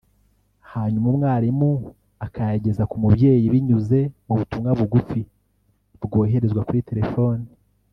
hanyuma umwarimu akayageza ku mubyeyi binyuze mu butumwa bugufi bwoherezwa kuri telefoni